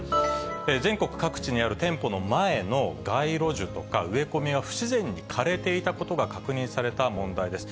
全国各地にある店舗の前の街路樹とか、植え込みが不自然に枯れていたことが確認された問題です。